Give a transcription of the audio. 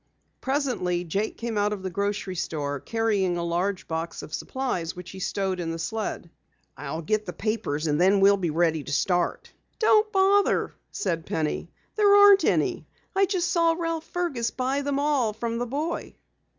Presently Jake came out of the grocery store, carrying a large box of supplies which he stowed in the sled. "I'll get the papers and then we'll be ready to start." "Don't bother," said Penny. "There aren't any. I just saw Ralph Fergus buy them all from the boy."